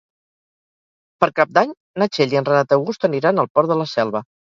Per Cap d'Any na Txell i en Renat August aniran al Port de la Selva.